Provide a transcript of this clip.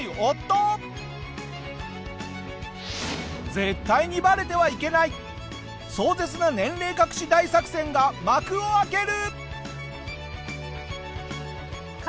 絶対にバレてはいけない壮絶な年齢隠し大作戦が幕を開ける！